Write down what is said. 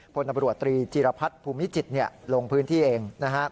พลตรีจีรพัฒน์ภูมิจิตลงพื้นที่เอง